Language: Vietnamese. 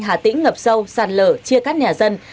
hà tĩnh ngập sâu sàn lở chia cắt nhà dân